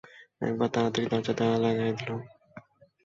একজন তাড়াতাড়ি দরজার তালা লাগাইয়া দিল।